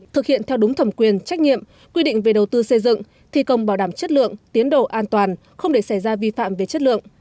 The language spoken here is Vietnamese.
thực hiện theo đúng thẩm quyền trách nhiệm quy định về đầu tư xây dựng thi công bảo đảm chất lượng tiến độ an toàn không để xảy ra vi phạm về chất lượng